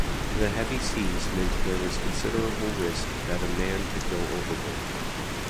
The heavy seas meant there was considerable risk that a man could go overboard.